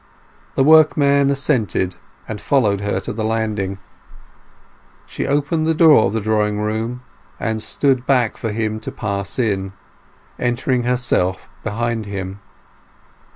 The workman assented, and followed her to the landing. She opened the door of the drawing room, and stood back for him to pass in, entering herself behind him.